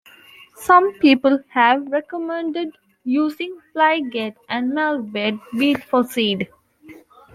Some people have recommended using blighted and mildewed wheat for seed.